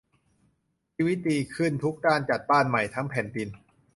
ชีวิตดีขึ้นทุกด้านจัดบ้านใหม่ทั้งแผ่นดิน